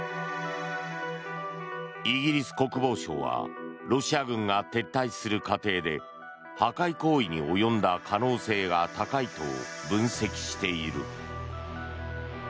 イギリス国防省はロシア軍が撤退する過程で破壊行為に及んだ可能性が高いと分析している。